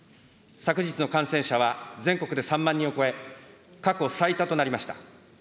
昨日の感染者は全国で３万人を超え、過去最多となりました。